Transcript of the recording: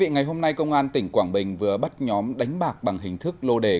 ngày hôm nay công an tỉnh quảng bình vừa bắt nhóm đánh bạc bằng hình thức lô đề